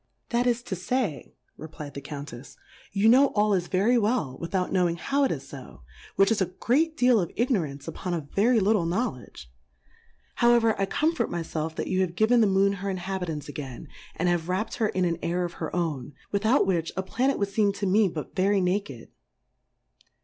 That Plurality ^/WORLDS. 77 That is to fay, replfd the Countefs^ you know all is very well, without knowing how it is fo, which is a great deal of Ignorance upon a very little Knowledge ; however, I comfort my felf, that you have giyen the Moon her Inhabitants again, and have wrapM her* in an Air of her own, without which a Planet would feem to me but very naked.